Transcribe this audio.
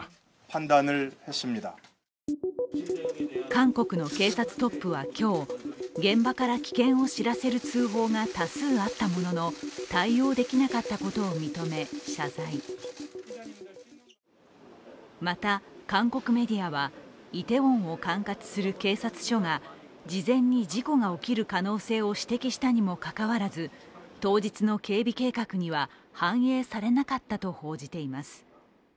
韓国の警察トップは今日現場から危険を知らせる通報が多数あったものの対応できなかったことを認め、謝罪また韓国メディアはイテウォンを管轄する警察署が事前に事故が起きる可能性を指摘したにもかかわらず当日の警備計画には反映されなかったと報じています。